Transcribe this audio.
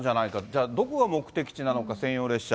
じゃあどこが目的地なのか、専用列車。